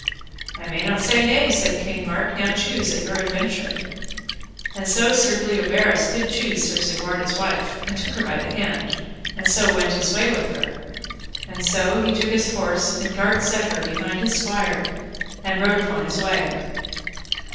I may not say nay, said King Mark; now choose at your adventure. And so Sir Bleoberis did choose Sir Segwarides' wife, and took her by the hand, and so went his way with her; and so he took his horse and gart set her behind his squire, and rode upon his way.